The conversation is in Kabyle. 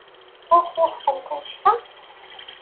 Ur twufqemt anect-a?